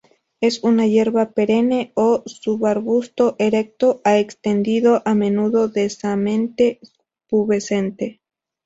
Es una hierba perenne o subarbusto, erecto a extendido, a menudo densamente pubescente.